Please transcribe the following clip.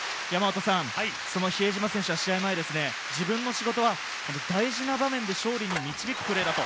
その比江島選手は試合前、自分の仕事は大事な場面で勝利に導くプレーだと。